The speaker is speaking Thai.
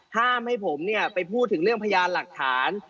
ห้ามให้ผมไปพูดถึงเรื่องพยานหลักฐาน